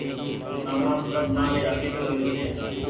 سامان سب مآري آگي پڙيو ڇي